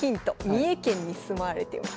三重県に住まれてる。